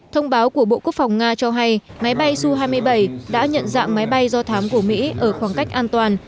thông báo của bộ quốc phòng nga cho hay máy bay su hai mươi bảy đã nhận dạng máy bay do thám của mỹ ở khoảng cách an toàn